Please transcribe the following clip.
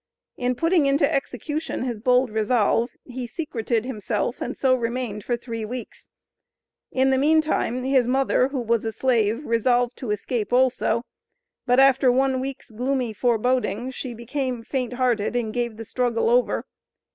In putting into execution his bold resolve, he secreted himself, and so remained for three weeks. In the meantime his mother, who was a slave, resolved to escape also, but after one week's gloomy foreboding, she became "faint hearted and gave the struggle over."